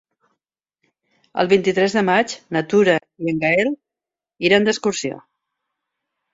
El vint-i-tres de maig na Tura i en Gaël iran d'excursió.